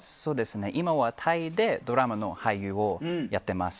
今はタイでドラマの俳優をやっています。